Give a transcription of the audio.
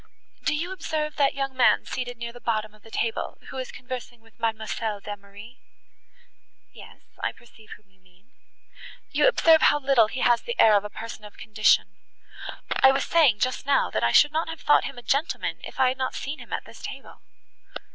Do you observe that young man seated near the bottom of the table, who is conversing with Mademoiselle d'Emery?" "Yes, I perceive whom you mean." "You observe how little he has the air of a person of condition; I was saying just now, that I should not have thought him a gentleman, if I had not seen him at this table."